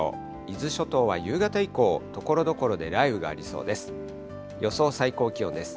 伊豆諸島は夕方以降、ところどころで雷雨がありそうです。